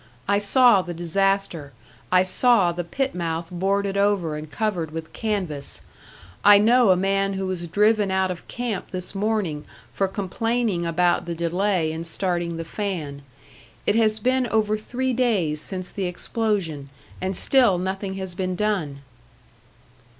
I saw the disaster, I saw the pit mouth boarded over and covered with canvas. I know a man who was driven out of camp this morning for complaining about the delay in starting the fan. It has been over three days since the explosion, and still nothing has been done."